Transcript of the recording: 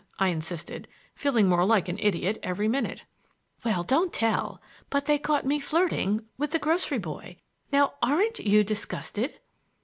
I insisted, feeling more like an idiot every minute. "Well, don't tell! But they caught me flirting—with the grocery boy! Now aren't you disgusted?"